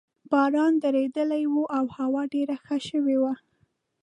باران درېدلی وو او هوا ډېره ښه شوې وه.